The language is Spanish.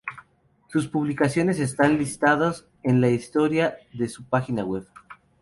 Sus publicaciones están listados en la historia de su página web.